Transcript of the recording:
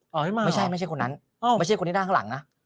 อ๋อไม่มาเหรอไม่ใช่คนนั้นไม่ใช่คนนี้นั่งข้างหลังนะ